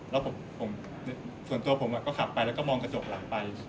แล้วส่วนตัวผมก็ขับไปแล้วก็มองกระจกหลังไป